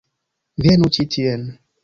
Venu ĉi tien.